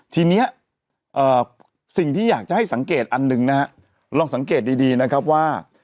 ทีนี้สิ่งที่อยากจะให้สังเกตอันหนึ่งนะฮะลองสังเกตดีนะครับว่า